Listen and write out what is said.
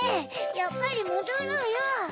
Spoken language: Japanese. やっぱりもどろうよ。